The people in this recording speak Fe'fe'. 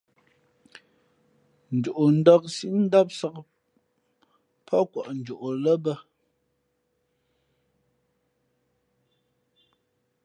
Njoʼndāk síʼ ndámsāk pάʼ kwαʼ njoʼ lά bᾱ.